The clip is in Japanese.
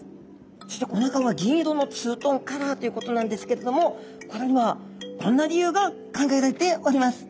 そしておなかは銀色のツートンカラーということなんですけれどもこれにはこんな理由が考えられております。